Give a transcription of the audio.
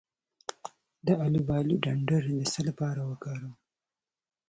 د الوبالو ډنډر د څه لپاره وکاروم؟